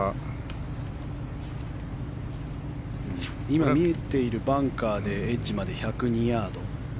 今、見えているバンカーでエッジまで１０２ヤード。